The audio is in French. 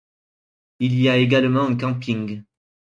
Il y a également un camping.